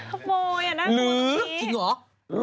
รถขโมยอ่ะน่ากลัวพี่หรือจริงเหรอ